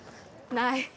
「ない？」